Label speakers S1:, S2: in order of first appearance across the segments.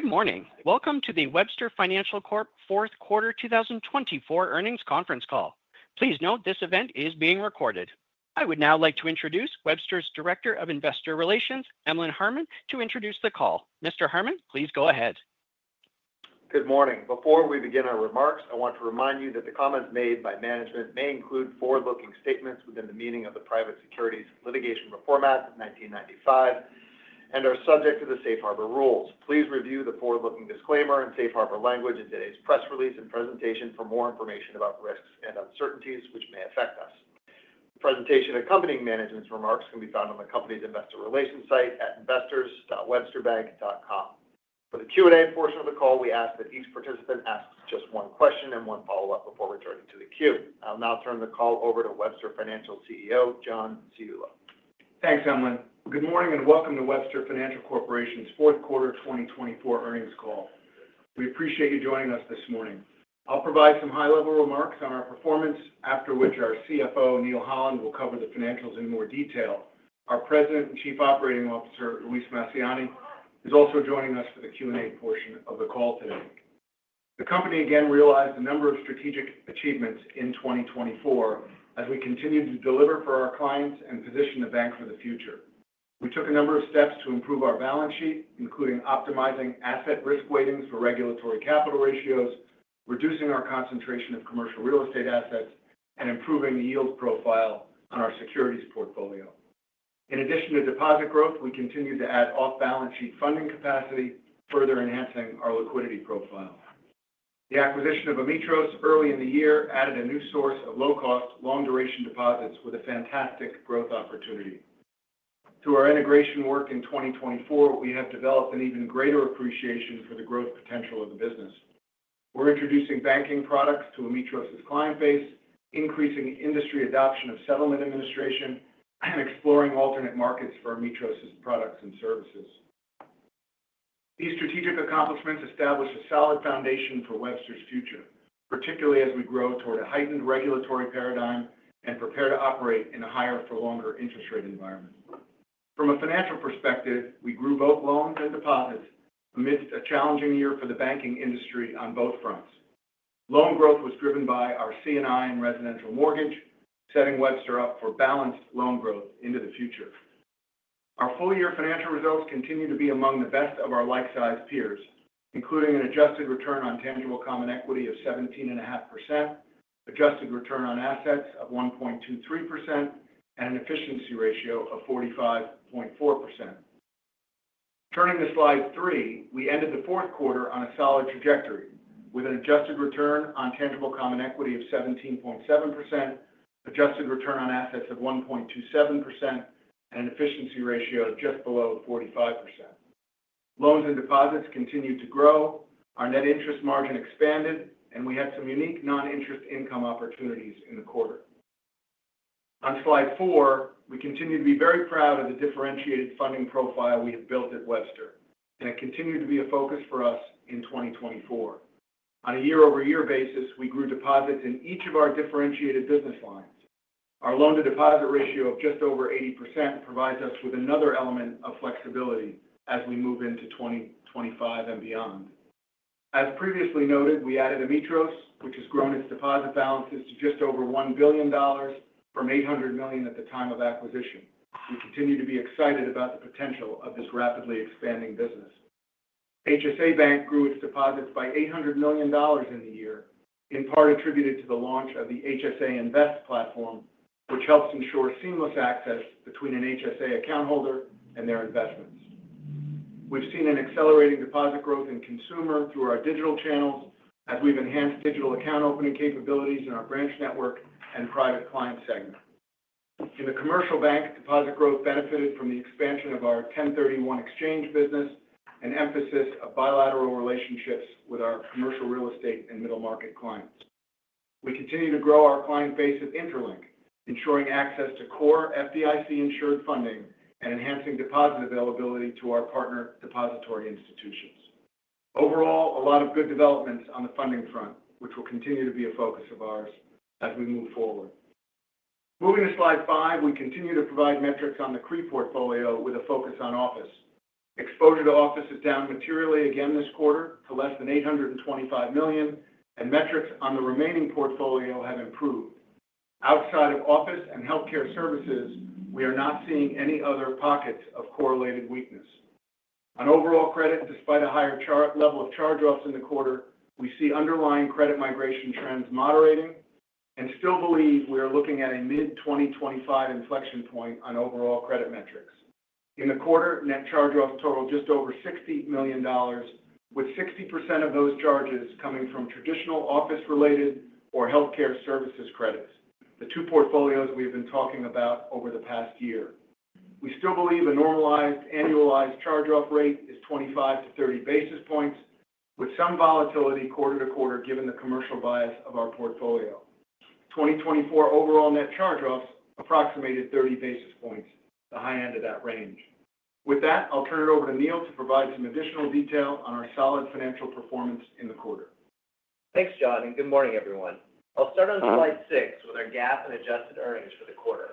S1: Good morning. Welcome to the Webster Financial Corp. Fourth Quarter 2024 earnings conference call. Please note this event is being recorded. I would now like to introduce Webster's Director of Investor Relations, Emlen Harmon, to introduce the call. Mr. Harmon, please go ahead.
S2: Good morning. Before we begin our remarks, I want to remind you that the comments made by management may include forward-looking statements within the meaning of the Private Securities Litigation Reform Act of 1995 and are subject to the Safe Harbor Rules. Please review the forward-looking disclaimer and safe harbor language in today's press release and presentation for more information about risks and uncertainties which may affect us. The presentation accompanying management's remarks can be found on the company's investor relations site at investors.websterbank.com. For the Q&A portion of the call, we ask that each participant ask just one question and one follow-up before returning to the queue. I'll now turn the call over to Webster Financial CEO, John Ciulla.
S3: Thanks, Emlen. Good morning and welcome to Webster Financial Corporation's Fourth Quarter 2024 earnings call. We appreciate you joining us this morning. I'll provide some high-level remarks on our performance, after which our CFO, Neal Holland, will cover the financials in more detail. Our President and Chief Operating Officer, Luis Massiani, is also joining us for the Q&A portion of the call today. The company again realized a number of strategic achievements in 2024 as we continue to deliver for our clients and position the bank for the future. We took a number of steps to improve our balance sheet, including optimizing asset risk weightings for regulatory capital ratios, reducing our concentration of commercial real estate assets, and improving the yield profile on our securities portfolio. In addition to deposit growth, we continue to add off-balance sheet funding capacity, further enhancing our liquidity profile. The acquisition of Ametros early in the year added a new source of low-cost, long-duration deposits with a fantastic growth opportunity. Through our integration work in 2024, we have developed an even greater appreciation for the growth potential of the business. We're introducing banking products to Ametros' client base, increasing industry adoption of settlement administration, and exploring alternate markets for Ametros' products and services. These strategic accomplishments establish a solid foundation for Webster's future, particularly as we grow toward a heightened regulatory paradigm and prepare to operate in a higher-for-longer interest rate environment. From a financial perspective, we grew both loans and deposits amidst a challenging year for the banking industry on both fronts. Loan growth was driven by our C&I and residential mortgage, setting Webster up for balanced loan growth into the future. Our full-year financial results continue to be among the best of our like-sized peers, including an adjusted return on tangible common equity of 17.5%, adjusted return on assets of 1.23%, and an efficiency ratio of 45.4%. Turning to slide three, we ended the fourth quarter on a solid trajectory with an adjusted return on tangible common equity of 17.7%, adjusted return on assets of 1.27%, and an efficiency ratio of just below 45%. Loans and deposits continued to grow, our net interest margin expanded, and we had some unique non-interest income opportunities in the quarter. On slide four, we continue to be very proud of the differentiated funding profile we have built at Webster, and it continued to be a focus for us in 2024. On a year-over-year basis, we grew deposits in each of our differentiated business lines. Our loan-to-deposit ratio of just over 80% provides us with another element of flexibility as we move into 2025 and beyond. As previously noted, we added Ametros, which has grown its deposit balances to just over $1 billion from $800 million at the time of acquisition. We continue to be excited about the potential of this rapidly expanding business. HSA Bank grew its deposits by $800 million in the year, in part attributed to the launch of the HSA Invest platform, which helps ensure seamless access between an HSA account holder and their investments. We've seen an accelerating deposit growth in consumer through our digital channels as we've enhanced digital account opening capabilities in our branch network and private client segment. In the commercial bank, deposit growth benefited from the expansion of our 1031 exchange business and emphasis of bilateral relationships with our commercial real estate and middle market clients. We continue to grow our client base at Interlink, ensuring access to core FDIC-insured funding and enhancing deposit availability to our partner depository institutions. Overall, a lot of good developments on the funding front, which will continue to be a focus of ours as we move forward. Moving to slide five, we continue to provide metrics on the CRE portfolio with a focus on office. Exposure to office is down materially again this quarter to less than $825 million, and metrics on the remaining portfolio have improved. Outside of office and healthcare services, we are not seeing any other pockets of correlated weakness. On overall credit, despite a higher level of charge-offs in the quarter, we see underlying credit migration trends moderating and still believe we are looking at a mid-2025 inflection point on overall credit metrics. In the quarter, net charge-offs totaled just over $60 million, with 60% of those charges coming from traditional office-related or healthcare services credits, the two portfolios we have been talking about over the past year. We still believe a normalized annualized charge-off rate is 25-30 basis points, with some volatility quarter to quarter given the commercial bias of our portfolio. 2024 overall net charge-offs approximated 30 basis points, the high end of that range. With that, I'll turn it over to Neal to provide some additional detail on our solid financial performance in the quarter.
S4: Thanks, John, and good morning, everyone. I'll start on slide six with our GAAP and adjusted earnings for the quarter.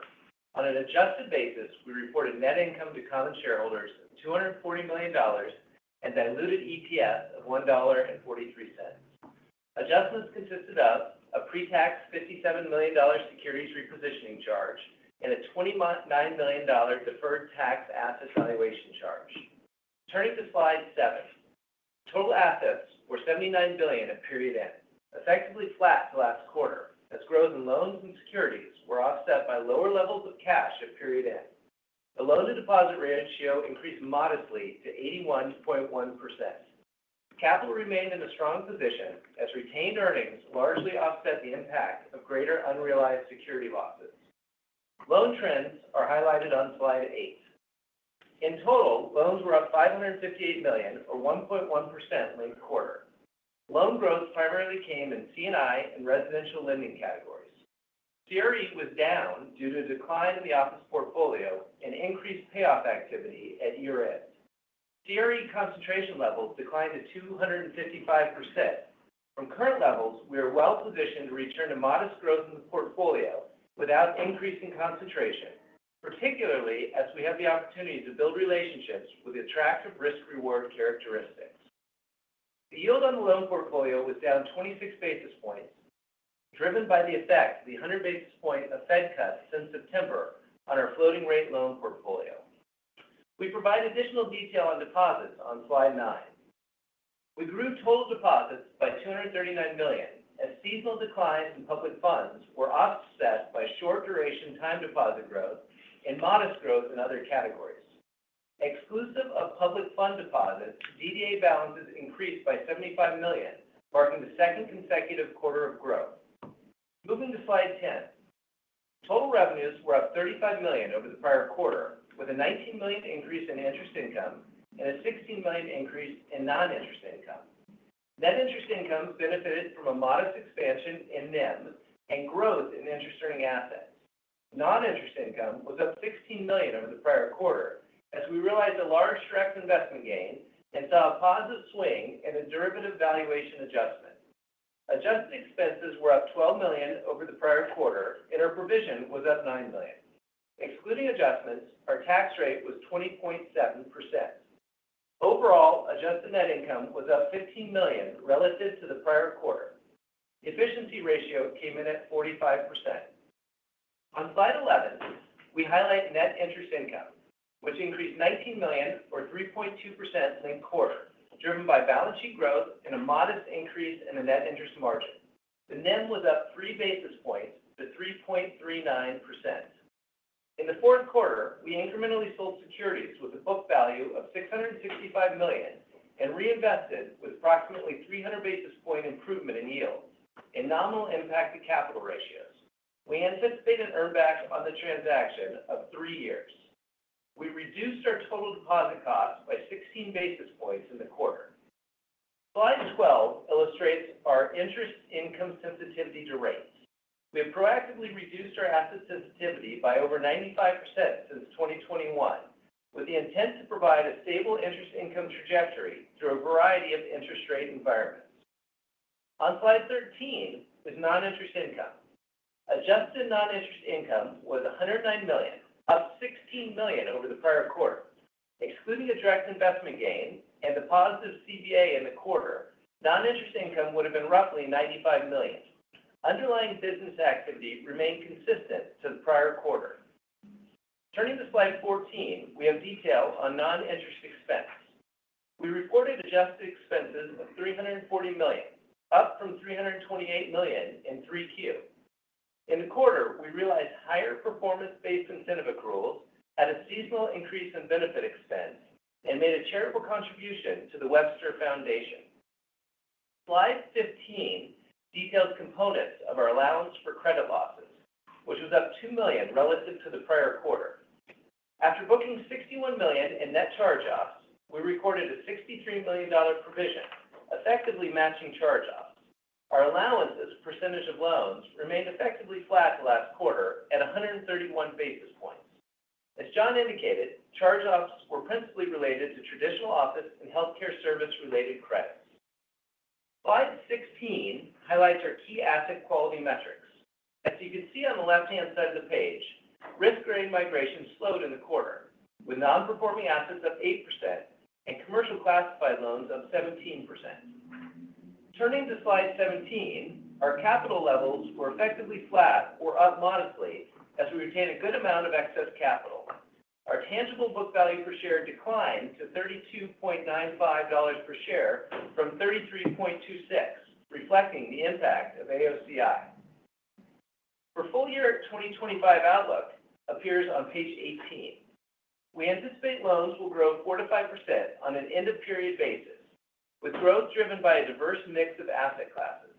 S4: On an adjusted basis, we reported net income to common shareholders of $240 million and diluted EPS of $1.43. Adjustments consisted of a pre-tax $57 million securities repositioning charge and a $29 million deferred tax asset valuation charge. Turning to slide seven, total assets were $79 billion at period end, effectively flat to last quarter, as growth in loans and securities were offset by lower levels of cash at period end. The loan-to-deposit ratio increased modestly to 81.1%. Capital remained in a strong position as retained earnings largely offset the impact of greater unrealized security losses. Loan trends are highlighted on slide eight. In total, loans were up $558 million, or 1.1%, linked quarter. Loan growth primarily came in C&I and residential lending categories. CRE was down due to a decline in the office portfolio and increased payoff activity at year-end. CRE concentration levels declined to 255%. From current levels, we are well positioned to return to modest growth in the portfolio without increasing concentration, particularly as we have the opportunity to build relationships with attractive risk-reward characteristics. The yield on the loan portfolio was down 26 basis points, driven by the effect of the 100 basis point of Fed cuts since September on our floating-rate loan portfolio. We provide additional detail on deposits on slide nine. We grew total deposits by $239 million as seasonal declines in public funds were offset by short-duration time deposit growth and modest growth in other categories. Exclusive of public fund deposits, DDA balances increased by $75 million, marking the second consecutive quarter of growth. Moving to slide 10, total revenues were up $35 million over the prior quarter, with a $19 million increase in interest income and a $16 million increase in non-interest income. Net interest income benefited from a modest expansion in NIM and growth in interest-earning assets. Non-interest income was up $16 million over the prior quarter as we realized a large strike investment gain and saw a positive swing in the derivative valuation adjustment. Adjusted expenses were up $12 million over the prior quarter, and our provision was up $9 million. Excluding adjustments, our tax rate was 20.7%. Overall, adjusted net income was up $15 million relative to the prior quarter. Efficiency ratio came in at 45%. On slide 11, we highlight net interest income, which increased $19 million, or 3.2%, linked quarter, driven by balance sheet growth and a modest increase in the net interest margin. The NIM was up 3 basis points to 3.39%. In the fourth quarter, we incrementally sold securities with a book value of $665 million and reinvested with approximately 300 basis point improvement in yield and nominal impact to capital ratios. We anticipate a payback on the transaction of three years. We reduced our total deposit cost by 16 basis points in the quarter. Slide 12 illustrates our interest income sensitivity to rates. We have proactively reduced our asset sensitivity by over 95% since 2021, with the intent to provide a stable interest income trajectory through a variety of interest rate environments. On slide 13 is non-interest income. Adjusted non-interest income was $109 million, up $16 million over the prior quarter. Excluding a direct investment gain and the positive CBA in the quarter, non-interest income would have been roughly $95 million. Underlying business activity remained consistent to the prior quarter. Turning to slide 14, we have detail on non-interest expense. We reported adjusted expenses of $340 million, up from $328 million in three Qs. In the quarter, we realized higher performance-based incentive accruals at a seasonal increase in benefit expense and made a charitable contribution to the Webster Foundation. Slide 15 details components of our allowance for credit losses, which was up $2 million relative to the prior quarter. After booking $61 million in net charge-offs, we recorded a $63 million provision, effectively matching charge-offs. Our allowance percentage of loans remained effectively flat to last quarter at 131 basis points. As John indicated, charge-offs were principally related to traditional office and healthcare service-related credits. Slide 16 highlights our key asset quality metrics. As you can see on the left-hand side of the page, risk-grade migration slowed in the quarter, with non-performing assets up 8% and commercial classified loans up 17%. Turning to slide 17, our capital levels were effectively flat or up modestly as we retained a good amount of excess capital. Our tangible book value per share declined to $32.95 per share from $33.26, reflecting the impact of AOCI. For full-year 2025 outlook. Appears on page 18. We anticipate loans will grow 4%-5% on an end-of-period basis, with growth driven by a diverse mix of asset classes.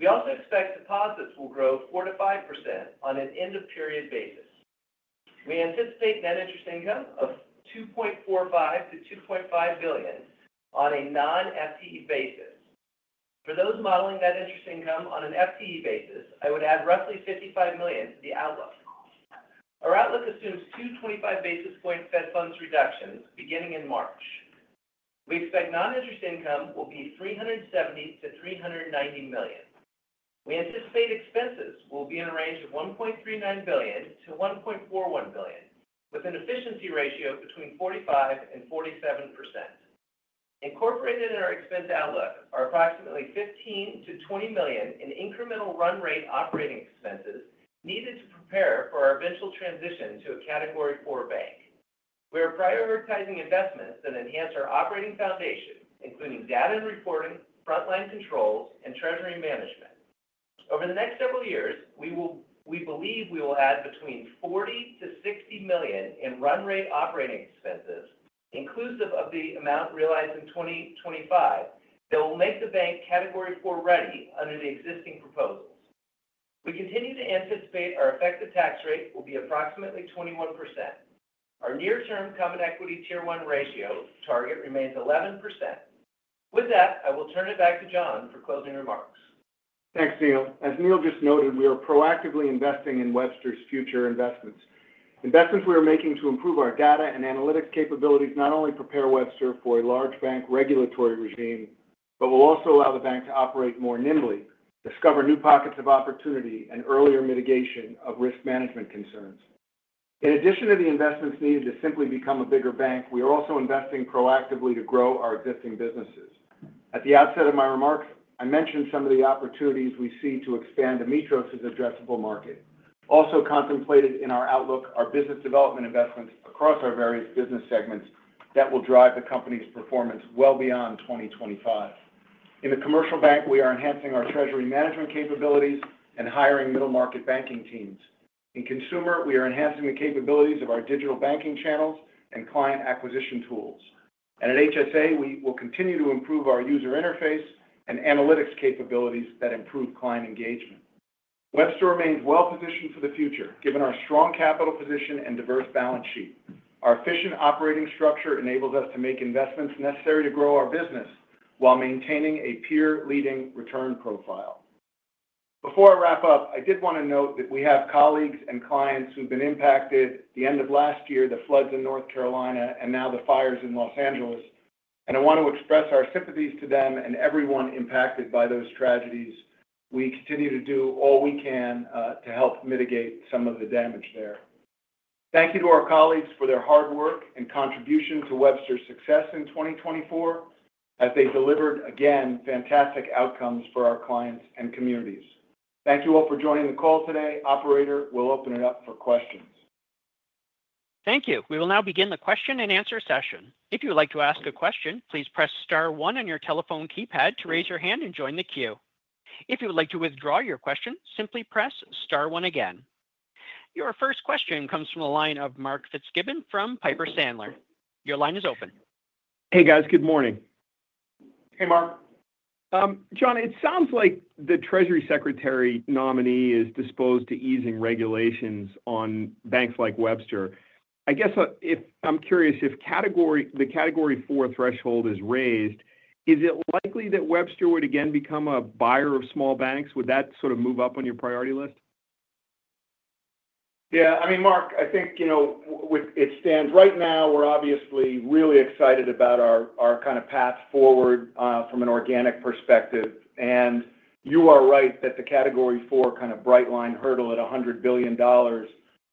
S4: We also expect deposits will grow 4%-5% on an end-of-period basis. We anticipate net interest income of $2.45 billion-$2.5 billion on a non-FTE basis. For those modeling net interest income on an FTE basis, I would add roughly $55 million to the outlook. Our outlook assumes two 25 basis point Fed funds reductions beginning in March. We expect non-interest income will be $370 million-$390 million. We anticipate expenses will be in a range of $1.39 billion-$1.41 billion, with an efficiency ratio between 45% and 47%. Incorporated in our expense outlook are approximately $15 million-$20 million in incremental run rate operating expenses needed to prepare for our eventual transition to a Category IV bank. We are prioritizing investments that enhance our operating foundation, including data and reporting, frontline controls, and treasury management. Over the next several years, we believe we will add between $40 million-$60 million in run rate operating expenses, inclusive of the amount realized in 2025, that will make the bank Category IV ready under the existing proposals. We continue to anticipate our effective tax rate will be approximately 21%. Our near-term Common Equity Tier 1 ratio target remains 11%. With that, I will turn it back to John for closing remarks.
S3: Thanks, Neal. As Neal just noted, we are proactively investing in Webster's future investments. Investments we are making to improve our data and analytics capabilities not only prepare Webster for a large bank regulatory regime, but will also allow the bank to operate more nimbly, discover new pockets of opportunity, and earlier mitigation of risk management concerns. In addition to the investments needed to simply become a bigger bank, we are also investing proactively to grow our existing businesses. At the outset of my remarks, I mentioned some of the opportunities we see to expand Ametros's addressable market. Also contemplated in our outlook are business development investments across our various business segments that will drive the company's performance well beyond 2025. In the commercial bank, we are enhancing our treasury management capabilities and hiring middle market banking teams. In consumer, we are enhancing the capabilities of our digital banking channels and client acquisition tools, and at HSA, we will continue to improve our user interface and analytics capabilities that improve client engagement. Webster remains well positioned for the future, given our strong capital position and diverse balance sheet. Our efficient operating structure enables us to make investments necessary to grow our business while maintaining a peer-leading return profile. Before I wrap up, I did want to note that we have colleagues and clients who've been impacted at the end of last year, the floods in North Carolina, and now the fires in Los Angeles, and I want to express our sympathies to them and everyone impacted by those tragedies. We continue to do all we can to help mitigate some of the damage there. Thank you to our colleagues for their hard work and contribution to Webster's success in 2024, as they delivered, again, fantastic outcomes for our clients and communities. Thank you all for joining the call today. Operator will open it up for questions.
S1: Thank you. We will now begin the question-and-answer session. If you would like to ask a question, please press star one on your telephone keypad to raise your hand and join the queue. If you would like to withdraw your question, simply press star one again. Your first question comes from the line of Mark Fitzgibbon from Piper Sandler. Your line is open.
S5: Hey, guys. Good morning.
S3: Hey, Mark.
S6: John, it sounds like the Treasury Secretary nominee is disposed to easing regulations on banks like Webster. I guess I'm curious, if the Category IV threshold is raised, is it likely that Webster would again become a buyer of small banks? Would that sort of move up on your priority list?
S3: Yeah. I mean, Mark, I think, you know, as it stands right now, we're obviously really excited about our kind of path forward from an organic perspective. And you are right that the Category IV kind of bright line hurdle at $100 billion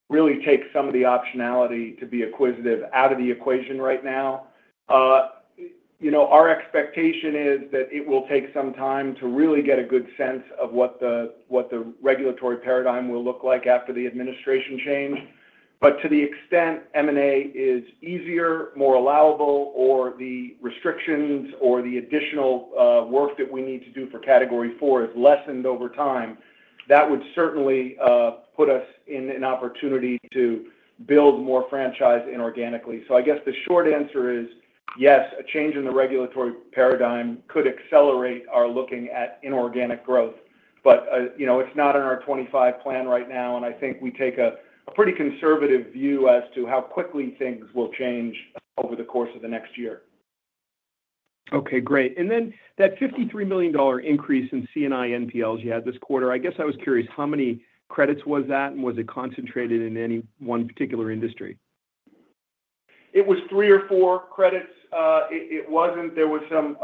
S3: really takes some of the optionality to be acquisitive out of the equation right now. You know, our expectation is that it will take some time to really get a good sense of what the regulatory paradigm will look like after the administration change. But to the extent M&A is easier, more allowable, or the restrictions or the additional work that we need to do for Category IV is lessened over time, that would certainly put us in an opportunity to build more franchise inorganically. So I guess the short answer is yes, a change in the regulatory paradigm could accelerate our looking at inorganic growth. But, you know, it's not in our 2025 plan right now, and I think we take a pretty conservative view as to how quickly things will change over the course of the next year.
S6: Okay. Great, and then that $53 million increase in C&I NPLs you had this quarter, I guess I was curious, how many credits was that, and was it concentrated in any one particular industry?
S3: It was three or four credits. It wasn't. There was some,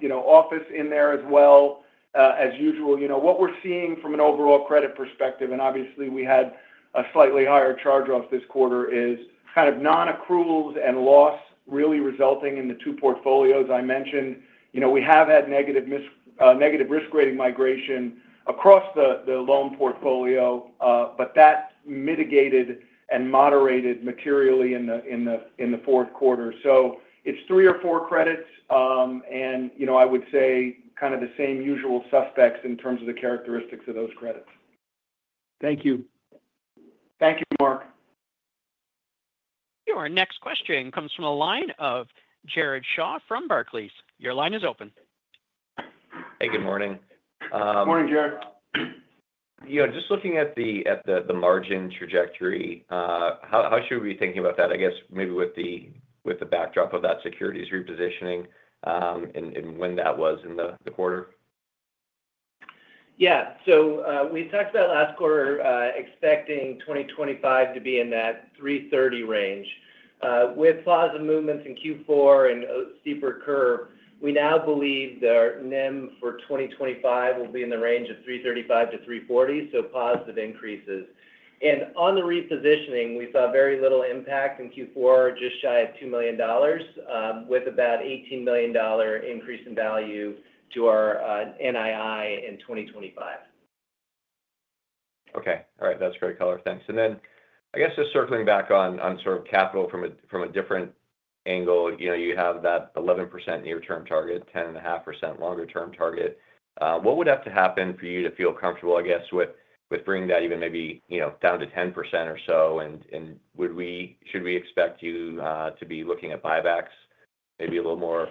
S3: you know, office in there as well, as usual. You know, what we're seeing from an overall credit perspective, and obviously we had a slightly higher charge-off this quarter, is kind of non-accruals and loss really resulting in the two portfolios I mentioned. You know, we have had negative risk-grading migration across the loan portfolio, but that mitigated and moderated materially in the fourth quarter. So it's three or four credits, and, you know, I would say kind of the same usual suspects in terms of the characteristics of those credits.
S6: Thank you.
S3: Thank you, Mark.
S1: Your next question comes from a line of Jared Shaw from Barclays. Your line is open.
S5: Hey, good morning.
S3: Good morning, Jared.
S5: Yeah. Just looking at the margin trajectory, how should we be thinking about that, I guess, maybe with the backdrop of that securities repositioning and when that was in the quarter?
S3: Yeah, so we talked about last quarter expecting 2025 to be in that $330 million range. With positive movements in Q4 and steeper curve, we now believe the NIM for 2025 will be in the range of $335 million-$340 million, so positive increases, and on the repositioning, we saw very little impact in Q4, just shy of $2 million, with about a $18 million increase in value to our NII in 2025.
S5: Okay. All right. That's great color. Thanks. And then I guess just circling back on sort of capital from a different angle, you know, you have that 11% near-term target, 10.5% longer-term target. What would have to happen for you to feel comfortable, I guess, with bringing that even maybe, you know, down to 10% or so? And should we expect you to be looking at buybacks maybe a little more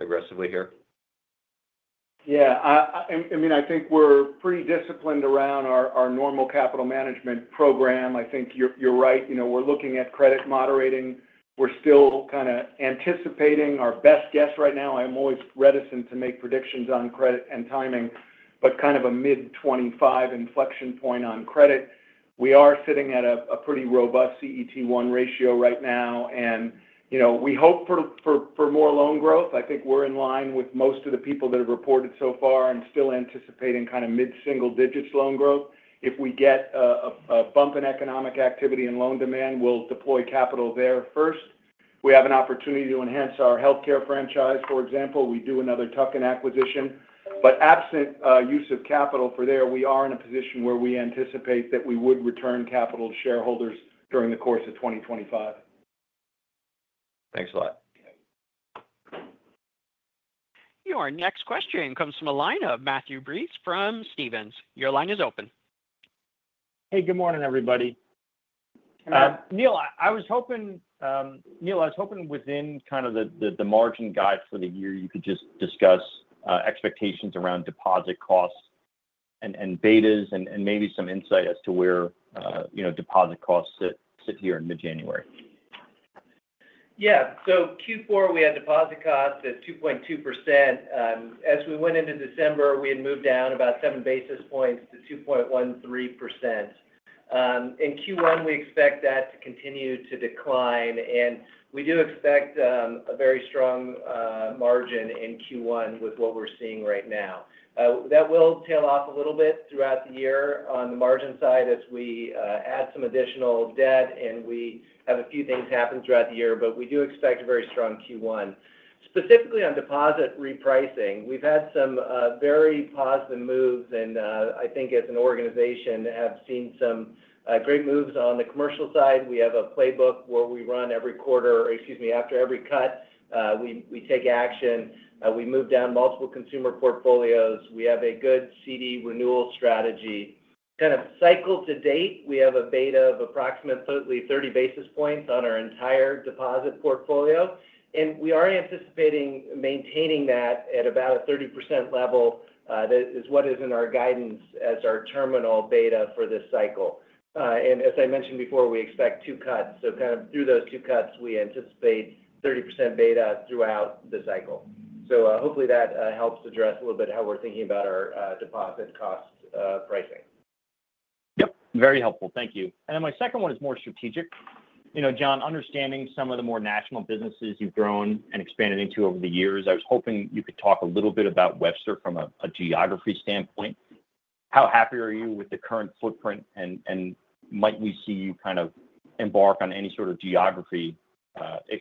S5: aggressively here?
S3: Yeah. I mean, I think we're pretty disciplined around our normal capital management program. I think you're right. You know, we're looking at credit moderating. We're still kind of anticipating our best guess right now. I'm always reticent to make predictions on credit and timing, but kind of a mid-25% inflection point on credit. We are sitting at a pretty robust CET1 ratio right now, and, you know, we hope for more loan growth. I think we're in line with most of the people that have reported so far and still anticipating kind of mid-single digits loan growth. If we get a bump in economic activity and loan demand, we'll deploy capital there first. We have an opportunity to enhance our healthcare franchise, for example. We do another Tucken acquisition. But absent use of capital for there, we are in a position where we anticipate that we would return capital to shareholders during the course of 2025.
S5: Thanks a lot.
S1: Your next question comes from a line of Matthew Breese from Stephens. Your line is open.
S7: Hey, good morning, everybody. Neal, I was hoping within kind of the margin guide for the year, you could just discuss expectations around deposit costs and betas and maybe some insight as to where, you know, deposit costs sit here in mid-January.
S4: Yeah. So Q4, we had deposit costs at 2.2%. As we went into December, we had moved down about seven basis points to 2.13%. In Q1, we expect that to continue to decline, and we do expect a very strong margin in Q1 with what we're seeing right now. That will tail off a little bit throughout the year on the margin side as we add some additional debt, and we have a few things happen throughout the year, but we do expect a very strong Q1. Specifically on deposit repricing, we've had some very positive moves, and I think as an organization, have seen some great moves on the commercial side. We have a playbook where we run every quarter or, excuse me, after every cut, we take action. We moved down multiple consumer portfolios. We have a good CD renewal strategy. In this cycle to date, we have a beta of approximately 30 basis points on our entire deposit portfolio, and we are anticipating maintaining that at about a 30% level. That is what is in our guidance as our terminal beta for this cycle. As I mentioned before, we expect two cuts, so kind of through those two cuts, we anticipate 30% beta throughout the cycle. Hopefully that helps address a little bit how we're thinking about our deposit cost pricing.
S7: Yep. Very helpful. Thank you. And then my second one is more strategic. You know, John, understanding some of the more national businesses you've grown and expanded into over the years, I was hoping you could talk a little bit about Webster from a geography standpoint. How happy are you with the current footprint, and might we see you kind of embark on any sort of geography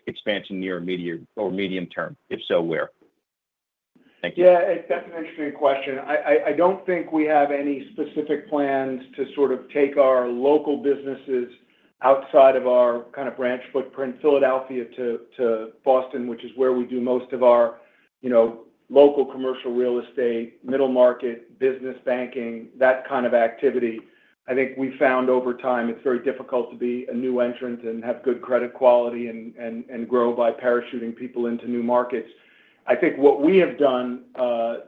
S7: expansion near or medium term? If so, where? Thank you.
S3: Yeah. That's an interesting question. I don't think we have any specific plans to sort of take our local businesses outside of our kind of branch footprint, Philadelphia to Boston, which is where we do most of our, you know, local commercial real estate, middle market, business banking, that kind of activity. I think we found over time it's very difficult to be a new entrant and have good credit quality and grow by parachuting people into new markets. I think what we have done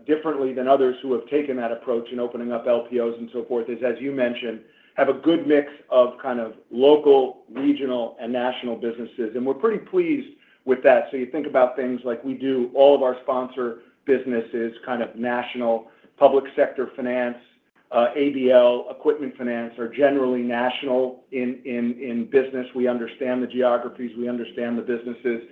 S3: differently than others who have taken that approach and opening up LPOs and so forth is, as you mentioned, have a good mix of kind of local, regional, and national businesses, and we're pretty pleased with that. So you think about things like we do all of our sponsor businesses, kind of national public sector finance, ABL, equipment finance are generally national in business. We understand the geographies. We understand the businesses.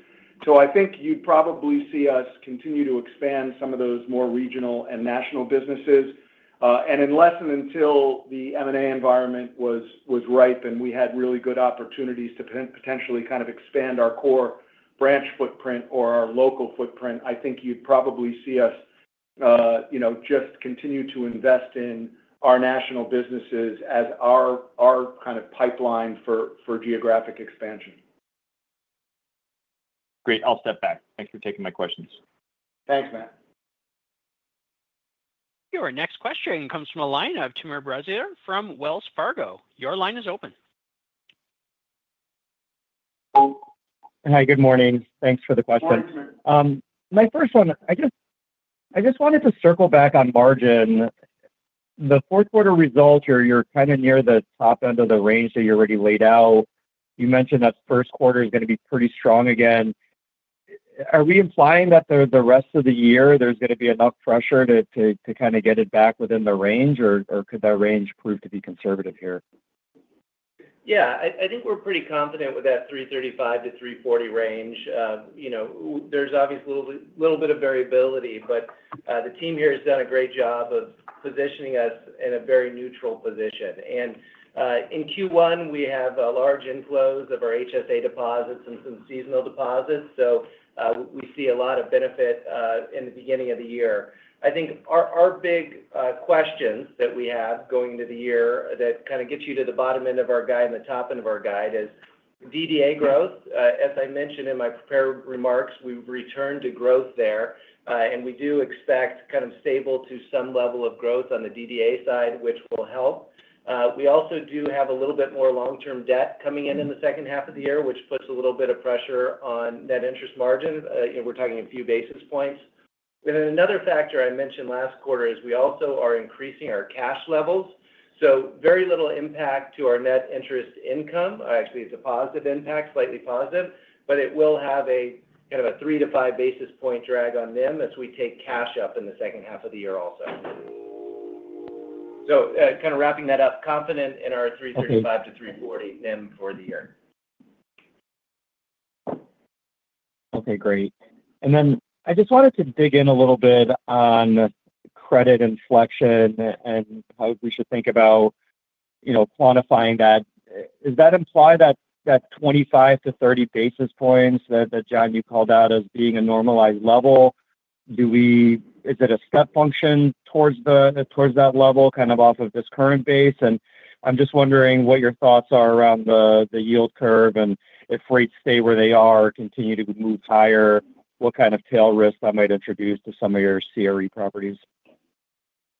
S3: So I think you'd probably see us continue to expand some of those more regional and national businesses, and unless and until the M&A environment was ripe and we had really good opportunities to potentially kind of expand our core branch footprint or our local footprint, I think you'd probably see us, you know, just continue to invest in our national businesses as our kind of pipeline for geographic expansion.
S7: Great. I'll step back. Thanks for taking my questions.
S3: Thanks, Matt.
S1: Your next question comes from a line of Timur Braziler from Wells Fargo. Your line is open.
S8: Hi. Good morning. Thanks for the question. My first one, I just wanted to circle back on margin. The fourth quarter results, you're kind of near the top end of the range that you already laid out. You mentioned that first quarter is going to be pretty strong again. Are we implying that the rest of the year there's going to be enough pressure to kind of get it back within the range, or could that range prove to be conservative here?
S3: Yeah. I think we're pretty confident with that $335 million-$340 million range. You know, there's obviously a little bit of variability, but the team here has done a great job of positioning us in a very neutral position. And in Q1, we have a large inflows of our HSA deposits and some seasonal deposits, so we see a lot of benefit in the beginning of the year. I think our big questions that we have going into the year that kind of gets you to the bottom end of our guide and the top end of our guide is DDA growth. As I mentioned in my prepared remarks, we've returned to growth there, and we do expect kind of stable to some level of growth on the DDA side, which will help. We also do have a little bit more long-term debt coming in in the second half of the year, which puts a little bit of pressure on net interest margin. You know, we're talking a few basis points. And then another factor I mentioned last quarter is we also are increasing our cash levels. So very little impact to our net interest income, actually a positive impact, slightly positive, but it will have a kind of a three to five basis point drag on NIM as we take cash up in the second half of the year also. So kind of wrapping that up, confident in our $335 million-$340 million NIM for the year.
S8: Okay. Great. And then I just wanted to dig in a little bit on credit inflection and how we should think about, you know, quantifying that. Does that imply that 25-30 basis points that, John, you called out as being a normalized level? Do we, is it a step function towards that level kind of off of this current base? And I'm just wondering what your thoughts are around the yield curve and if rates stay where they are, continue to move higher, what kind of tail risk that might introduce to some of your CRE properties?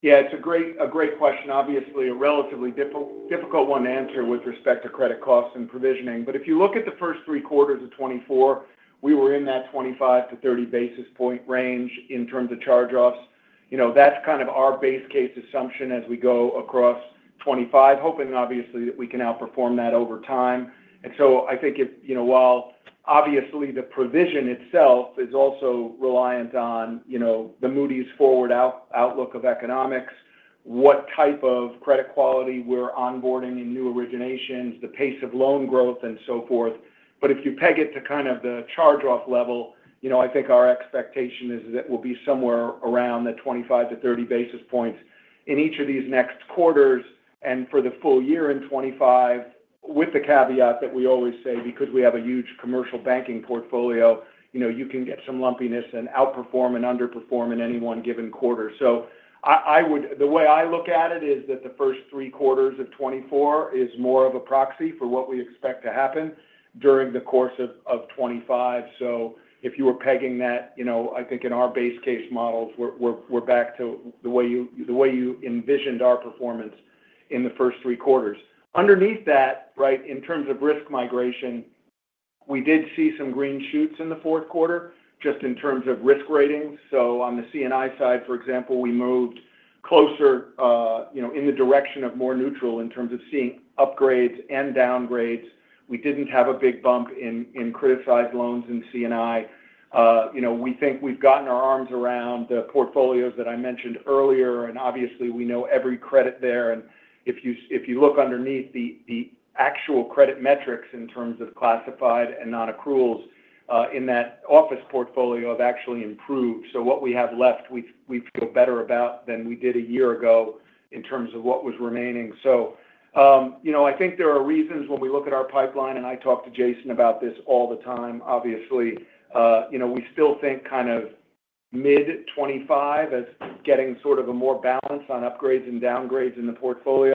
S3: Yeah. It's a great question. Obviously, a relatively difficult one to answer with respect to credit costs and provisioning. But if you look at the first three quarters of 2024, we were in that 25-30 basis points range in terms of charge-offs. You know, that's kind of our base case assumption as we go across 2025, hoping obviously that we can outperform that over time. And so I think if, you know, while obviously the provision itself is also reliant on, you know, the Moody's forward outlook of economics, what type of credit quality we're onboarding in new originations, the pace of loan growth, and so forth. But if you peg it to kind of the charge-off level, you know, I think our expectation is that it will be somewhere around the 25-30 basis points in each of these next quarters and for the full year in 2025, with the caveat that we always say, because we have a huge commercial banking portfolio, you know, you can get some lumpiness and outperform and underperform in any one given quarter. So I would, the way I look at it is that the first three quarters of 2024 is more of a proxy for what we expect to happen during the course of 2025. So if you were pegging that, you know, I think in our base case models, we're back to the way you envisioned our performance in the first three quarters. Underneath that, right, in terms of risk migration, we did see some green shoots in the fourth quarter just in terms of risk ratings. So on the C&I side, for example, we moved closer, you know, in the direction of more neutral in terms of seeing upgrades and downgrades. We didn't have a big bump in criticized loans in C&I. You know, we think we've gotten our arms around the portfolios that I mentioned earlier, and obviously we know every credit there. And if you look underneath the actual credit metrics in terms of classified and non-accruals in that office portfolio, they have actually improved. So what we have left, we feel better about than we did a year ago in terms of what was remaining. So, you know, I think there are reasons when we look at our pipeline, and I talk to Jason about this all the time, obviously. You know, we still think kind of mid-25 as getting sort of a more balance on upgrades and downgrades in the portfolio,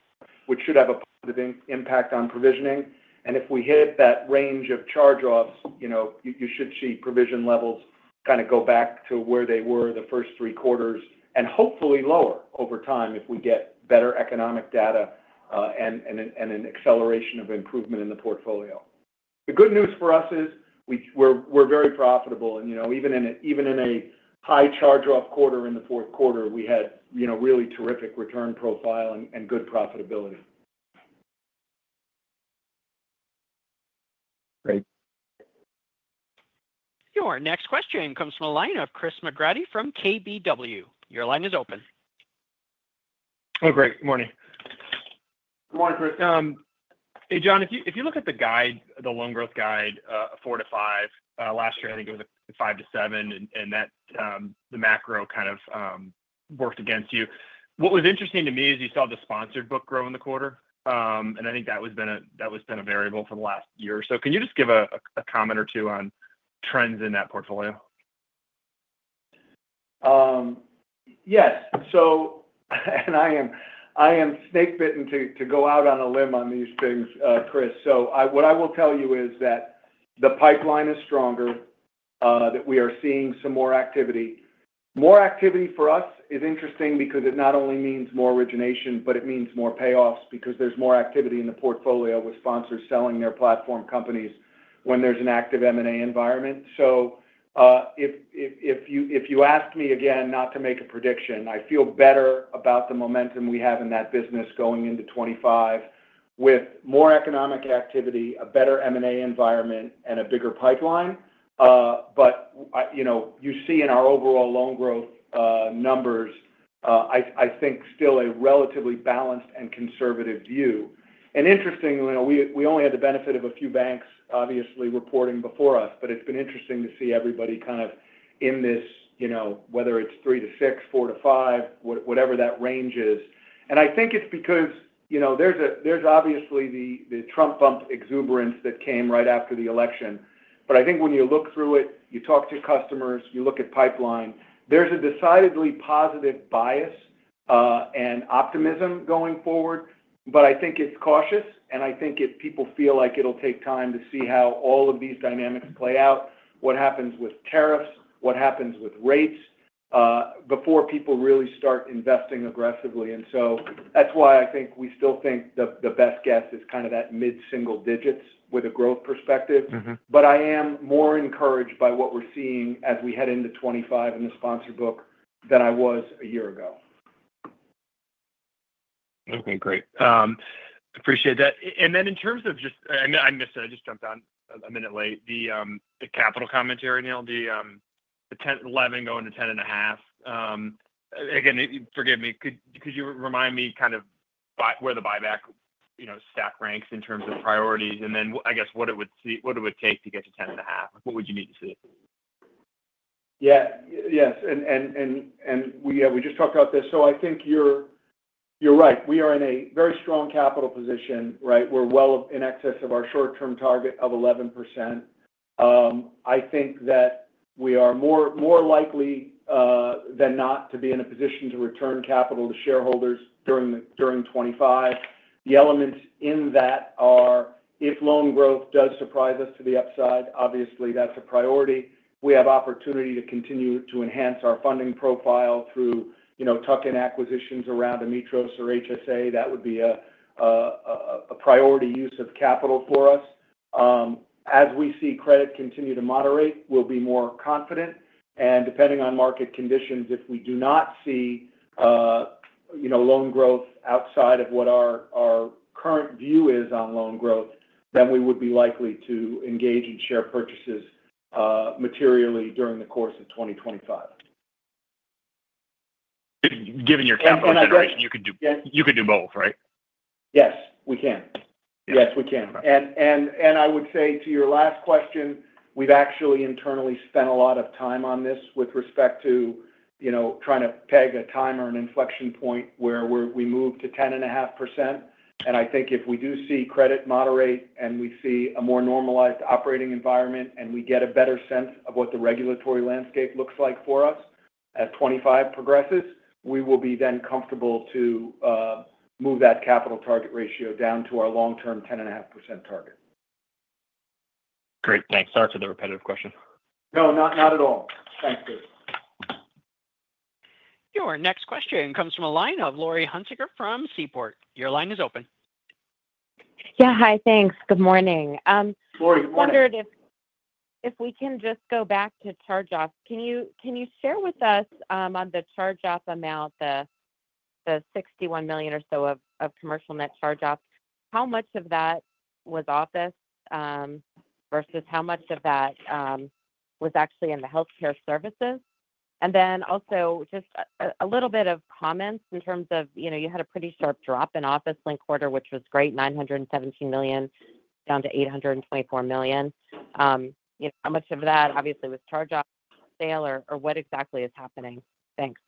S3: which should have a positive impact on provisioning. And if we hit that range of charge-offs, you know, you should see provision levels kind of go back to where they were the first three quarters and hopefully lower over time if we get better economic data and an acceleration of improvement in the portfolio. The good news for us is we're very profitable, and, you know, even in a high charge-off quarter in the fourth quarter, we had, you know, really terrific return profile and good profitability.
S8: Great.
S1: Your next question comes from a line of Chris McGratty from KBW. Your line is open.
S9: Oh, great. Good morning.
S3: Good morning, Chris.
S9: Hey, John, if you look at the guide, the loan growth guide, 4%-5%, last year I think it was 5%-7%, and that the macro kind of worked against you. What was interesting to me is you saw the sponsored book grow in the quarter, and I think that was been a variable for the last year or so. Can you just give a comment or two on trends in that portfolio?
S3: Yes, so and I am snakebitten to go out on a limb on these things, Chris, so what I will tell you is that the pipeline is stronger, that we are seeing some more activity. More activity for us is interesting because it not only means more origination, but it means more payoffs because there's more activity in the portfolio with sponsors selling their platform companies when there's an active M&A environment. So if you ask me again not to make a prediction, I feel better about the momentum we have in that business going into 2025 with more economic activity, a better M&A environment, and a bigger pipeline, but you know, you see in our overall loan growth numbers, I think still a relatively balanced and conservative view. Interestingly, we only had the benefit of a few banks obviously reporting before us, but it's been interesting to see everybody kind of in this, you know, whether it's three to six, four to five, whatever that range is. I think it's because, you know, there's obviously the Trump bump exuberance that came right after the election. But I think when you look through it, you talk to customers, you look at pipeline, there's a decidedly positive bias and optimism going forward. I think it's cautious, and I think if people feel like it'll take time to see how all of these dynamics play out, what happens with tariffs, what happens with rates before people really start investing aggressively. That's why I think we still think the best guess is kind of that mid-single digits with a growth perspective. But I am more encouraged by what we're seeing as we head into 2025 in the sponsor book than I was a year ago.
S9: Okay. Great. Appreciate that. And then in terms of just, I missed it. I just jumped on a minute late. The capital commentary, Neal, the 10%-11% going to 10.5%. Again, forgive me. Could you remind me kind of where the buyback, you know, stack ranks in terms of priorities? And then I guess what it would take to get to 10.5%? What would you need to see?
S3: Yeah. And yeah, we just talked about this. So I think you're right. We are in a very strong capital position, right? We're well in excess of our short-term target of 11%. I think that we are more likely than not to be in a position to return capital to shareholders during 2025. The elements in that are, if loan growth does surprise us to the upside, obviously that's a priority. We have opportunity to continue to enhance our funding profile through, you know, tuck-in acquisitions around Ametros or HSA. That would be a priority use of capital for us. As we see credit continue to moderate, we'll be more confident. Depending on market conditions, if we do not see, you know, loan growth outside of what our current view is on loan growth, then we would be likely to engage in share purchases materially during the course of 2025.
S9: Given your capital situation, you could do both, right?
S3: Yes, we can. Yes, we can, and I would say to your last question, we've actually internally spent a lot of time on this with respect to, you know, trying to peg a time or an inflection point where we move to 10.5%. And I think if we do see credit moderate and we see a more normalized operating environment and we get a better sense of what the regulatory landscape looks like for us as 2025 progresses, we will be then comfortable to move that capital target ratio down to our long-term 10.5% target.
S9: Great. Thanks. Sorry for the repetitive question.
S3: No, not at all. Thanks, Chris.
S1: Your next question comes from a line of Laurie Hunsicker from Seaport. Your line is open.
S10: Yeah. Hi, thanks. Good morning.
S3: Laurie, good morning.
S10: I wondered if we can just go back to charge-offs. Can you share with us on the charge-off amount, the $61 million or so of commercial net charge-offs, how much of that was office versus how much of that was actually in the healthcare services? And then also just a little bit of comments in terms of, you know, you had a pretty sharp drop in office, linked quarter, which was great, $917 million down to $824 million. You know, how much of that obviously was charge-off sale or what exactly is happening? Thanks.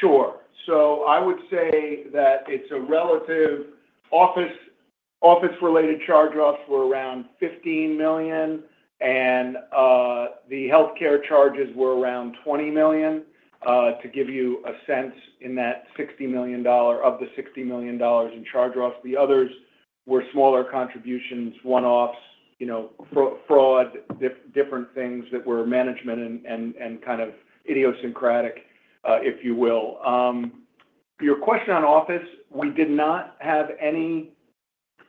S3: Sure. So I would say that it's a relative office-related charge-offs were around $15 million, and the healthcare charges were around $20 million. To give you a sense in that $60 million, of the $60 million in charge-offs, the others were smaller contributions, one-offs, you know, fraud, different things that were management and kind of idiosyncratic, if you will. Your question on office, we did not have any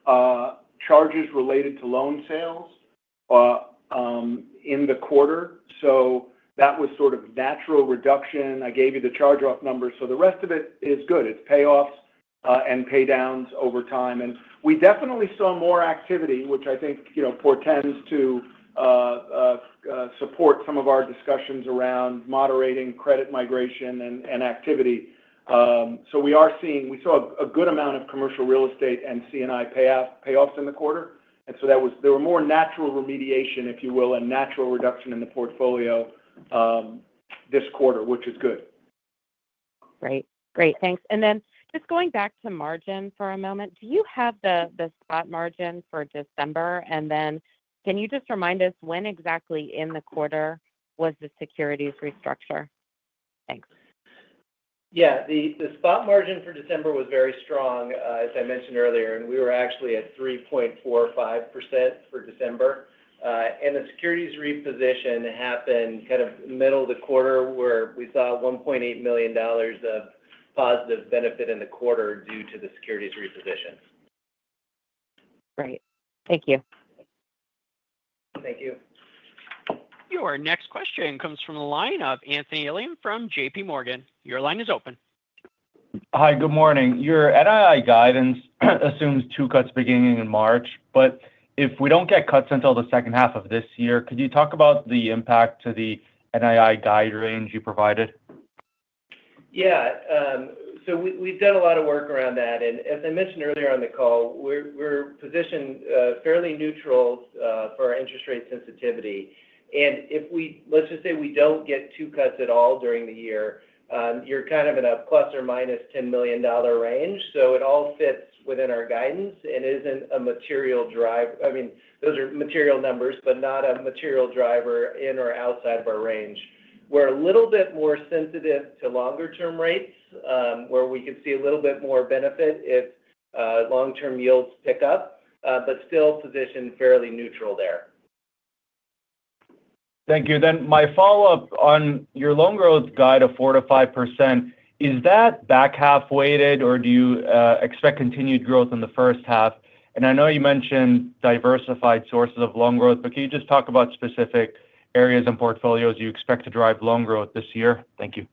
S3: charges related to loan sales in the quarter. So that was sort of natural reduction. I gave you the charge-off numbers. So the rest of it is good. It's payoffs and pay downs over time. And we definitely saw more activity, which I think, you know, portends to support some of our discussions around moderating credit migration and activity. So we are seeing, we saw a good amount of commercial real estate and C&I payoffs in the quarter. There were more natural remediation, if you will, and natural reduction in the portfolio this quarter, which is good.
S10: Great. Great. Thanks. And then just going back to margin for a moment, do you have the spot margin for December? And then can you just remind us when exactly in the quarter was the securities restructure? Thanks.
S4: Yeah. The spot margin for December was very strong, as I mentioned earlier, and we were actually at 3.45% for December, and the securities reposition happened kind of middle of the quarter where we saw $1.8 million of positive benefit in the quarter due to the securities reposition.
S10: Great. Thank you.
S3: Thank you.
S1: Your next question comes from a line of Anthony Elian from JPMorgan. Your line is open.
S11: Hi, good morning. Your NII guidance assumes two cuts beginning in March, but if we don't get cuts until the second half of this year, could you talk about the impact to the NII guide range you provided?
S3: Yeah. So we've done a lot of work around that. And as I mentioned earlier on the call, we're positioned fairly neutral for our interest rate sensitivity. And if we, let's just say we don't get two cuts at all during the year, you're kind of in a plus or minus $10 million range. So it all fits within our guidance and isn't a material driver. I mean, those are material numbers, but not a material driver in or outside of our range. We're a little bit more sensitive to longer-term rates where we could see a little bit more benefit if long-term yields pick up, but still positioned fairly neutral there.
S11: Thank you. Then my follow-up on your loan growth guide of 4%-5%, is that back half weighted or do you expect continued growth in the first half? And I know you mentioned diversified sources of loan growth, but can you just talk about specific areas in portfolios you expect to drive loan growth this year? Thank you.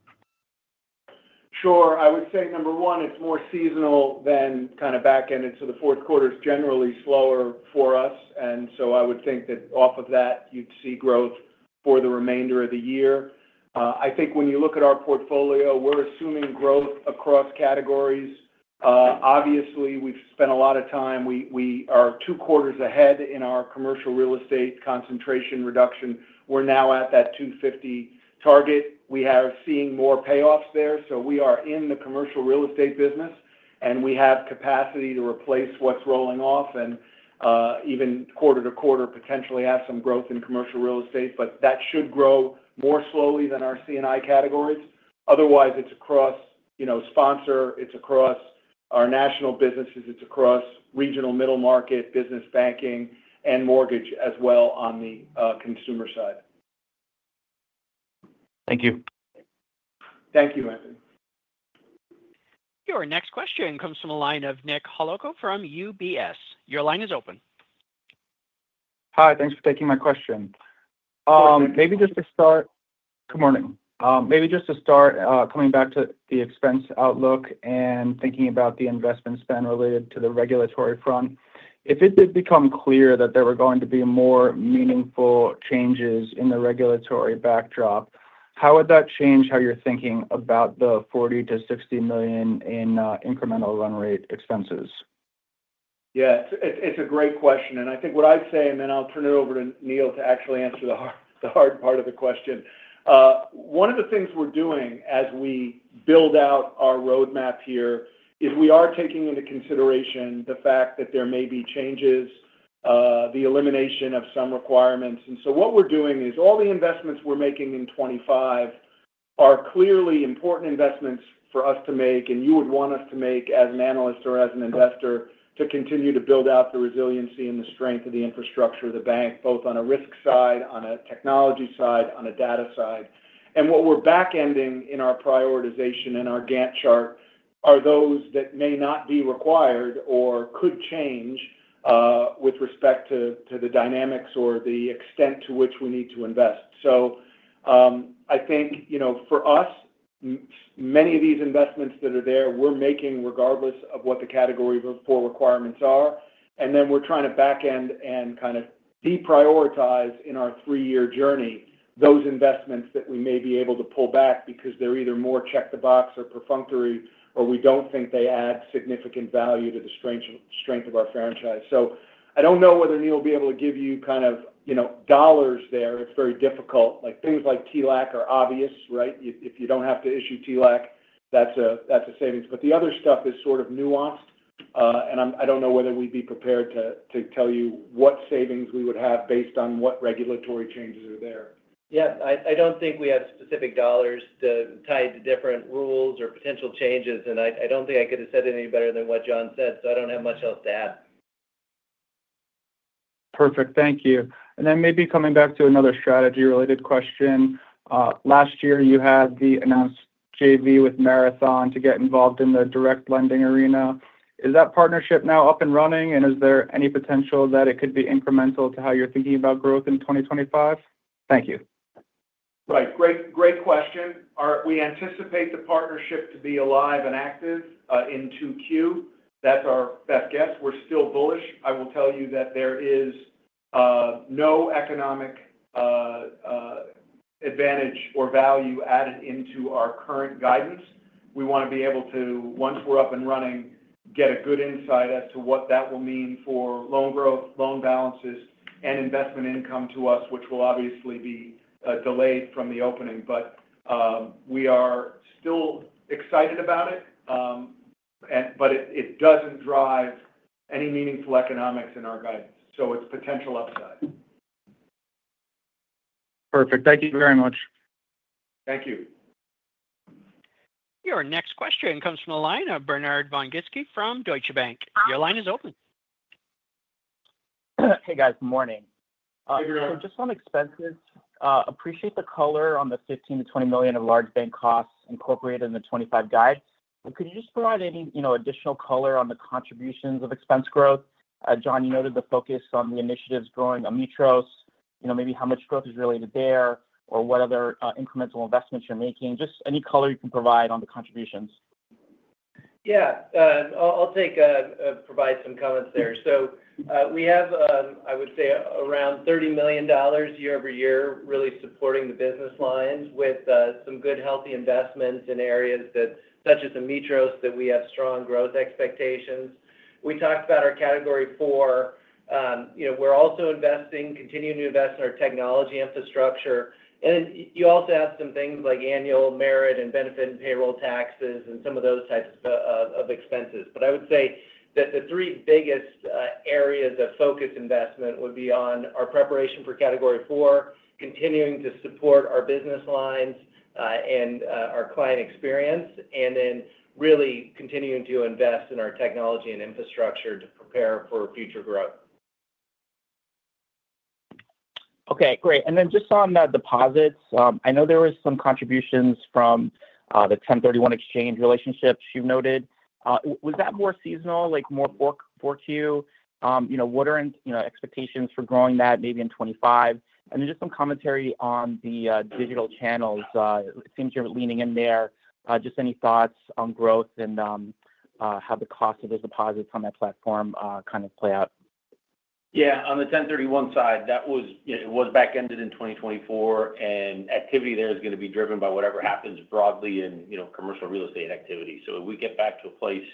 S3: Sure. I would say number one, it's more seasonal than kind of back-ended, so the fourth quarter is generally slower for us, and so I would think that off of that, you'd see growth for the remainder of the year. I think when you look at our portfolio, we're assuming growth across categories. Obviously, we've spent a lot of time. We are two quarters ahead in our commercial real estate concentration reduction. We're now at that 250 target. We are seeing more payoffs there, so we are in the commercial real estate business, and we have capacity to replace what's rolling off and even quarter to quarter potentially have some growth in commercial real estate, but that should grow more slowly than our C&I categories. Otherwise, it's across, you know, sponsor, it's across our national businesses, it's across regional middle market, business banking, and mortgage as well on the consumer side.
S11: Thank you.
S3: Thank you, Anthony.
S1: Your next question comes from a line of Nick Holko from UBS. Your line is open.
S12: Hi. Thanks for taking my question.
S3: Pleasure.
S12: Maybe just to start, good morning. Maybe just to start coming back to the expense outlook and thinking about the investment spend related to the regulatory front. If it did become clear that there were going to be more meaningful changes in the regulatory backdrop, how would that change how you're thinking about the $40 million-$60 million in incremental run rate expenses?
S3: Yeah. It's a great question. And I think what I'd say, and then I'll turn it over to Neal to actually answer the hard part of the question. One of the things we're doing as we build out our roadmap here is we are taking into consideration the fact that there may be changes, the elimination of some requirements. And so what we're doing is all the investments we're making in 2025 are clearly important investments for us to make, and you would want us to make as an analyst or as an investor to continue to build out the resiliency and the strength of the infrastructure, the bank, both on a risk side, on a technology side, on a data side. What we're back-ending in our prioritization and our Gantt chart are those that may not be required or could change with respect to the dynamics or the extent to which we need to invest. So I think, you know, for us, many of these investments that are there, we're making regardless of what the Category IV requirements are. And then we're trying to back-end and kind of deprioritize in our three-year journey those investments that we may be able to pull back because they're either more check the box or perfunctory or we don't think they add significant value to the strength of our franchise. So I don't know whether Neal will be able to give you kind of, you know, dollars there. It's very difficult. Like things like TLAC are obvious, right? If you don't have to issue TLAC, that's a savings. But the other stuff is sort of nuanced, and I don't know whether we'd be prepared to tell you what savings we would have based on what regulatory changes are there.
S4: Yeah. I don't think we have specific dollars tied to different rules or potential changes, and I don't think I could have said any better than what John said. So I don't have much else to add.
S12: Perfect. Thank you. And then maybe coming back to another strategy-related question. Last year, you had the announced JV with Marathon to get involved in the direct lending arena. Is that partnership now up and running, and is there any potential that it could be incremental to how you're thinking about growth in 2025? Thank you.
S3: Right. Great question. We anticipate the partnership to be alive and active in Q2. That's our best guess. We're still bullish. I will tell you that there is no economic advantage or value added into our current guidance. We want to be able to, once we're up and running, get a good insight as to what that will mean for loan growth, loan balances, and investment income to us, which will obviously be delayed from the opening. But we are still excited about it, but it doesn't drive any meaningful economics in our guidance. So it's potential upside.
S12: Perfect. Thank you very much.
S3: Thank you.
S1: Your next question comes from a line of Bernard Von Gizycki from Deutsche Bank. Your line is open.
S13: Hey, guys. Good morning.
S3: Hey, everyone.
S13: Just on expenses, appreciate the color on the $15 million-$20 million of large bank costs incorporated in the 2025 guide. But could you just provide any, you know, additional color on the contributions of expense growth? John, you noted the focus on the initiatives growing Ametros. You know, maybe how much growth is related there or what other incremental investments you're making. Just any color you can provide on the contributions.
S4: Yeah. I'll take a provide some comments there. So we have, I would say, around $30 million year-over-year really supporting the business lines with some good healthy investments in areas such as Ametros that we have strong growth expectations. We talked about our Category IV. You know, we're also investing, continuing to invest in our technology infrastructure. And you also have some things like annual merit and benefit and payroll taxes and some of those types of expenses. But I would say that the three biggest areas of focus investment would be on our preparation for Category IV, continuing to support our business lines and our client experience, and then really continuing to invest in our technology and infrastructure to prepare for future growth.
S13: Okay. Great. And then just on the deposits, I know there were some contributions from the 1031 Exchange relationships you've noted. Was that more seasonal, like more for Q? You know, what are, you know, expectations for growing that maybe in 2025? And then just some commentary on the digital channels. It seems you're leaning in there. Just any thoughts on growth and how the cost of those deposits on that platform kind of play out?
S3: Yeah. On the 1031 side, that was, it was back-ended in 2024, and activity there is going to be driven by whatever happens broadly in, you know, commercial real estate activity. So if we get back to a place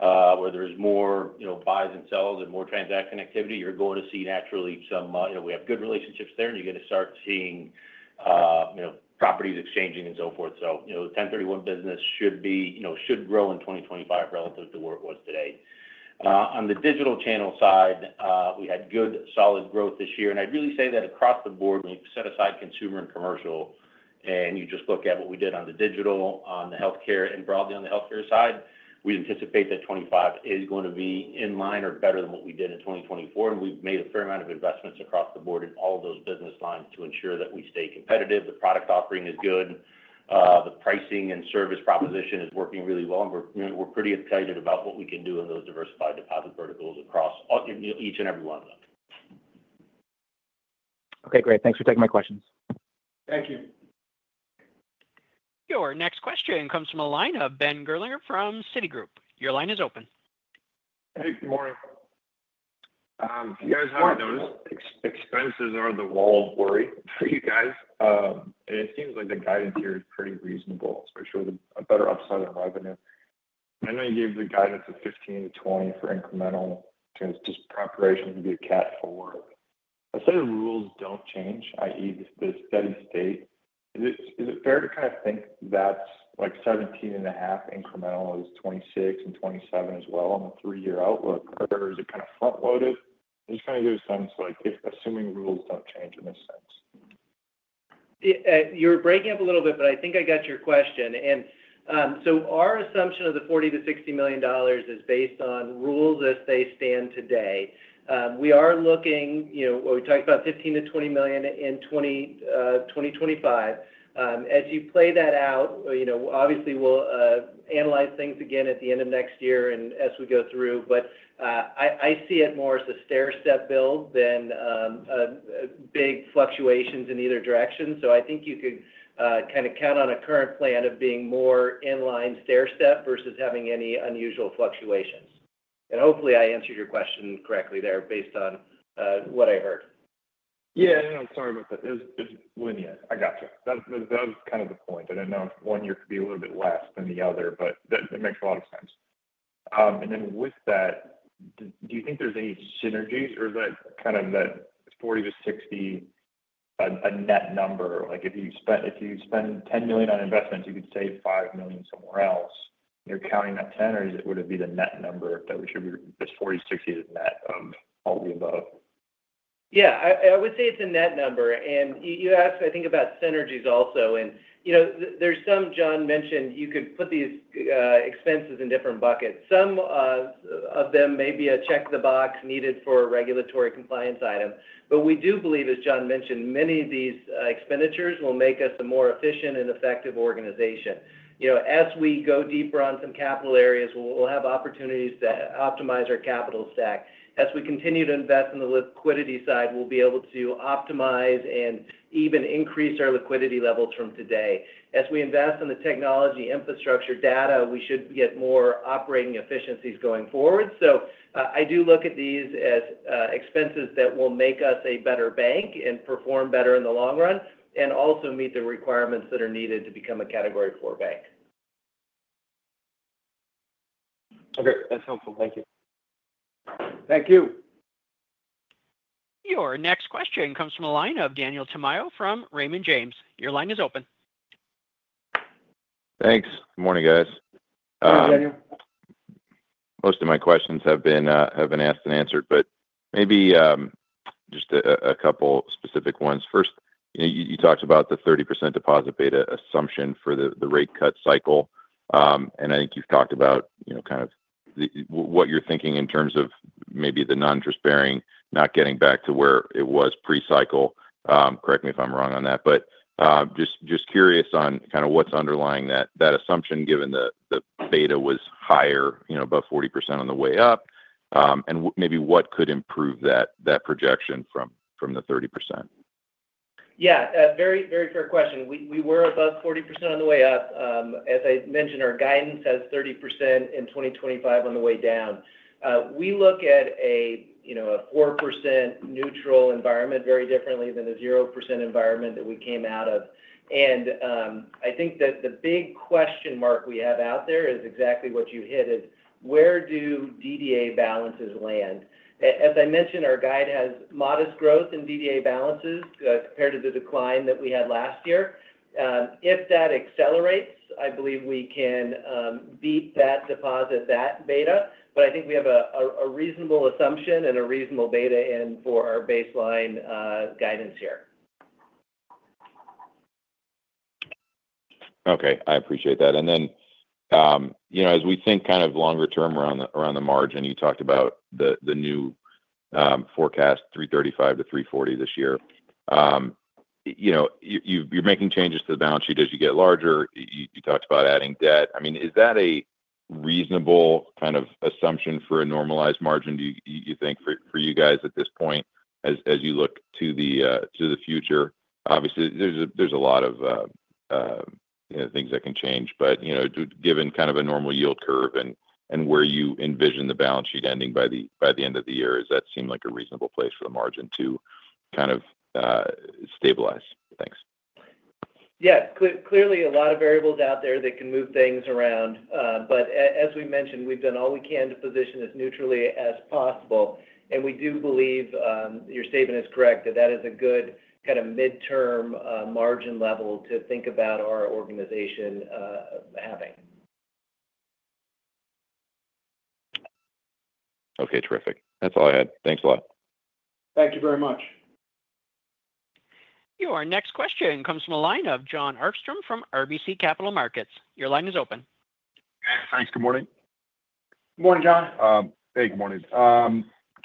S3: where there's more, you know, buys and sells and more transaction activity, you're going to see naturally some, you know, we have good relationships there, and you're going to start seeing, you know, properties exchanging and so forth. So, you know, the 1031 business should be, you know, should grow in 2025 relative to where it was today. On the digital channel side, we had good solid growth this year. And I'd really say that across the board, when you set aside consumer and commercial, and you just look at what we did on the digital, on the healthcare, and broadly on the healthcare side, we anticipate that 2025 is going to be in line or better than what we did in 2024. And we've made a fair amount of investments across the board in all of those business lines to ensure that we stay competitive. The product offering is good. The pricing and service proposition is working really well. And we're pretty excited about what we can do in those diversified deposit verticals across each and every one of them.
S13: Okay. Great. Thanks for taking my questions.
S3: Thank you.
S1: Your next question comes from a line of Ben Gerlinger from Citigroup. Your line is open.
S14: Hey, good morning. You guys have noticed expenses are the wall of worry for you guys, and it seems like the guidance here is pretty reasonable, especially with a better upside on revenue. I know you gave the guidance of $15 million-$20 million for incremental to the preparation to be a Category IV. I said rules don't change, i.e., the steady state. Is it fair to kind of think that like $17.5 million incremental is 2026 and 2027 as well in the three-year outlook, or is it kind of front-loaded? Just kind of give us a sense like if assuming rules don't change in this sense.
S4: You're breaking up a little bit, but I think I got your question, and so our assumption of the $40 million-$60 million is based on rules as they stand today. We are looking, you know, we talked about $15 million-$20 million in 2025. As you play that out, you know, obviously we'll analyze things again at the end of next year and as we go through, but I see it more as a stair-step build than big fluctuations in either direction, so I think you could kind of count on a current plan of being more in-line stair-step versus having any unusual fluctuations, and hopefully I answered your question correctly there based on what I heard.
S14: Yeah. I'm sorry about that. It was linear. I got you. That was kind of the point. I didn't know if one year could be a little bit less than the other, but that makes a lot of sense, and then with that, do you think there's any synergies, or is that kind of that $40 million-$60 million a net number? Like if you spend $10 million on investments, you could save $5 million somewhere else, you're counting that $10 million, or would it be the net number that we should be this $40 million-$60 million is net of all the above?
S4: Yeah. I would say it's a net number. And you asked, I think, about synergies also. And, you know, there's some. John mentioned you could put these expenses in different buckets. Some of them may be a check the box needed for a regulatory compliance item. But we do believe, as John mentioned, many of these expenditures will make us a more efficient and effective organization. You know, as we go deeper on some capital areas, we'll have opportunities to optimize our capital stack. As we continue to invest in the liquidity side, we'll be able to optimize and even increase our liquidity levels from today. As we invest in the technology infrastructure data, we should get more operating efficiencies going forward. I do look at these as expenses that will make us a better bank and perform better in the long run and also meet the requirements that are needed to become a Category IV bank.
S14: Okay. That's helpful. Thank you.
S3: Thank you.
S1: Your next question comes from a line of Daniel Tamayo from Raymond James. Your line is open.
S15: Thanks. Good morning, guys.
S3: Hey, Daniel.
S15: Most of my questions have been asked and answered, but maybe just a couple specific ones. First, you talked about the 30% deposit beta assumption for the rate cut cycle. And I think you've talked about, you know, kind of what you're thinking in terms of maybe the non-interest bearing not getting back to where it was pre-cycle. Correct me if I'm wrong on that. But just curious on kind of what's underlying that assumption given the beta was higher, you know, above 40% on the way up, and maybe what could improve that projection from the 30%. Yeah. Very fair question. We were above 40% on the way up. As I mentioned, our guidance has 30% in 2025 on the way down. We look at a, you know, a 4% neutral environment very differently than the 0% environment that we came out of. And I think that the big question mark we have out there is exactly what you hit is where do DDA balances land. As I mentioned, our guide has modest growth in DDA balances compared to the decline that we had last year. If that accelerates, I believe we can beat that deposit, that beta. But I think we have a reasonable assumption and a reasonable beta in for our baseline guidance here. Okay. I appreciate that. And then, you know, as we think kind of longer-term around the margin, you talked about the new forecast $335 million-$340 million this year. You know, you're making changes to the balance sheet as you get larger. You talked about adding debt. I mean, is that a reasonable kind of assumption for a normalized margin, do you think, for you guys at this point as you look to the future? Obviously, there's a lot of things that can change. But, you know, given kind of a normal yield curve and where you envision the balance sheet ending by the end of the year, does that seem like a reasonable place for the margin to kind of stabilize? Thanks.
S3: Yeah. Clearly, a lot of variables out there that can move things around. But as we mentioned, we've done all we can to position as neutrally as possible. And we do believe your statement is correct that that is a good kind of midterm margin level to think about our organization having.
S15: Okay. Terrific. That's all I had. Thanks a lot.
S3: Thank you very much.
S1: Your next question comes from a line of Jon Arfstrom from RBC Capital Markets. Your line is open.
S16: Thanks. Good morning.
S3: Good morning, John.
S16: Hey, good morning.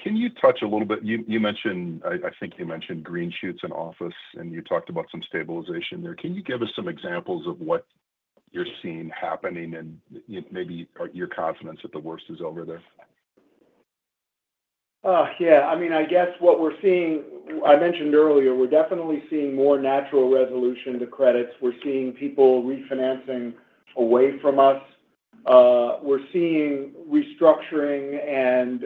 S16: Can you touch a little bit? You mentioned, I think you mentioned green shoots in office, and you talked about some stabilization there. Can you give us some examples of what you're seeing happening and maybe your confidence that the worst is over there?
S3: Yeah. I mean, I guess what we're seeing, I mentioned earlier, we're definitely seeing more natural resolution to credits. We're seeing people refinancing away from us. We're seeing restructuring and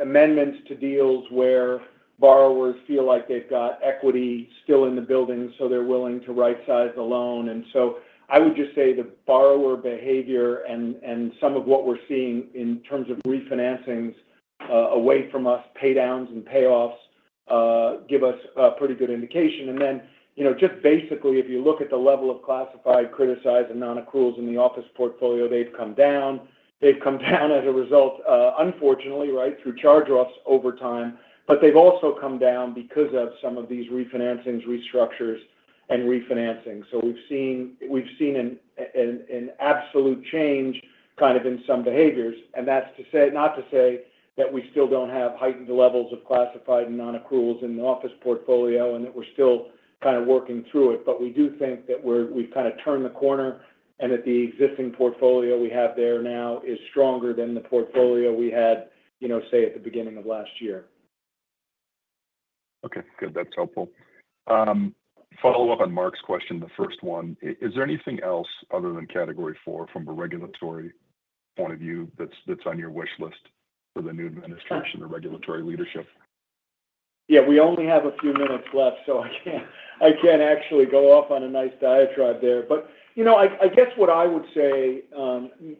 S3: amendments to deals where borrowers feel like they've got equity still in the building, so they're willing to right-size the loan. And so I would just say the borrower behavior and some of what we're seeing in terms of refinancings away from us, paydowns and payoffs, give us a pretty good indication. And then, you know, just basically, if you look at the level of classified, criticized, and non-accruals in the office portfolio, they've come down. They've come down as a result, unfortunately, right, through charge-offs over time. But they've also come down because of some of these refinancings, restructures, and refinancing. So we've seen an absolute change kind of in some behaviors. That's to say, not to say that we still don't have heightened levels of classified and non-accruals in the office portfolio and that we're still kind of working through it, but we do think that we've kind of turned the corner and that the existing portfolio we have there now is stronger than the portfolio we had, you know, say at the beginning of last year.
S16: Okay. Good. That's helpful. Follow-up on Mark's question, the first one. Is there anything else other than Category four from a regulatory point of view that's on your wish list for the new administration or regulatory leadership?
S3: Yeah. We only have a few minutes left, so I can't actually go off on a nice diatribe there. But, you know, I guess what I would say,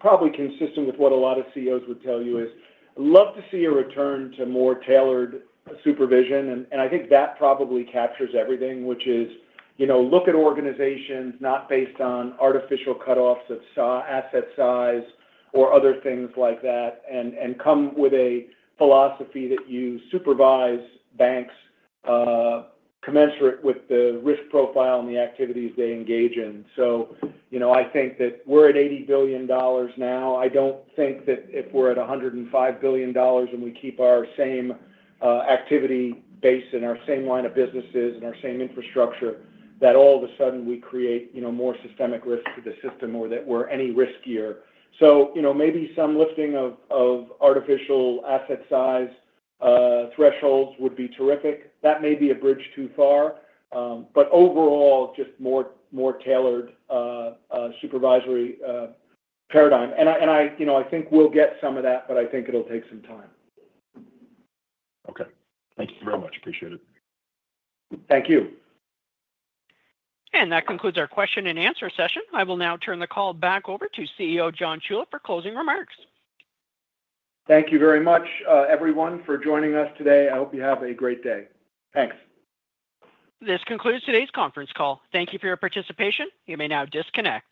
S3: probably consistent with what a lot of CEOs would tell you, is I'd love to see a return to more tailored supervision. And I think that probably captures everything, which is, you know, look at organizations not based on artificial cutoffs of asset size or other things like that, and come with a philosophy that you supervise banks commensurate with the risk profile and the activities they engage in. So, you know, I think that we're at $80 billion now. I don't think that if we're at $105 billion and we keep our same activity base and our same line of businesses and our same infrastructure, that all of a sudden we create, you know, more systemic risk to the system or that we're any riskier, so, you know, maybe some lifting of artificial asset size thresholds would be terrific, that may be a bridge too far, but overall, just more tailored supervisory paradigm, and I, you know, I think we'll get some of that, but I think it'll take some time.
S16: Okay. Thank you very much. Appreciate it.
S3: Thank you.
S1: That concludes our question-and-answer session. I will now turn the call back over to CEO John Ciulla for closing remarks.
S3: Thank you very much, everyone, for joining us today. I hope you have a great day. Thanks.
S1: This concludes today's conference call. Thank you for your participation. You may now disconnect.